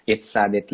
it's sadet ya prd